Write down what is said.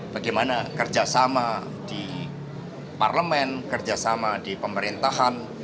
bagaimana kerjasama di parlemen kerjasama di pemerintahan